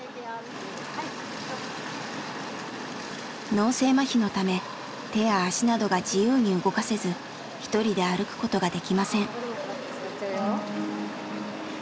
脳性まひのため手や足などが自由に動かせず一人で歩くことができません。